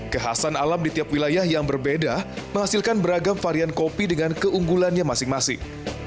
kekhasan alam di tiap wilayah yang berbeda menghasilkan beragam varian kopi dengan keunggulannya masing masing